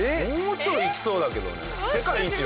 もうちょいいきそうだけどね。